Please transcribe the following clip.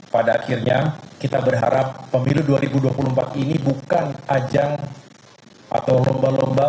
pada akhirnya kita berharap pemilu dua ribu dua puluh empat ini bukan ajang atau lomba lomba